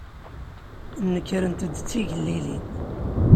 Nekrent-d d tigellilin.